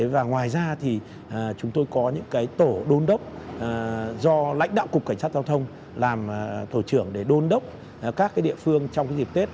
và ngoài ra thì chúng tôi có những cái tổ đôn đốc do lãnh đạo cục cảnh sát giao thông làm thổ trưởng để đôn đốc các cái địa phương trong cái dịp tết